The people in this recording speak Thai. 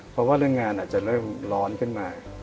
เพราะว่าเรื่องงานอาจจะเริ่มร้อนขึ้นมา